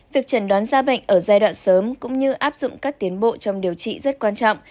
việc chẩn đoán da bệnh ở giai đoạn sớm cũng như áp dụng các tiến bộ trong điều trị rất quan trọng